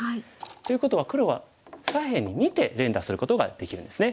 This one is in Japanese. ということは黒は左辺に２手連打することができるんですね。